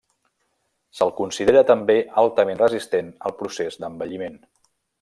Se'l considera també altament resistent al procés d'envelliment.